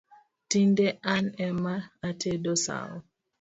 Tinde an ema atedo sau